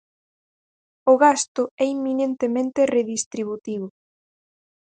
O gasto é eminentemente redistributivo.